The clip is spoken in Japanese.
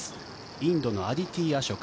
インドのアディティ・アショク。